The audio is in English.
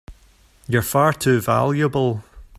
You're far too valuable!